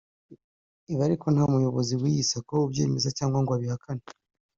ibi ariko nta muyobozi w’iyi Sacco ubyemeza cyangwa ngo abihakane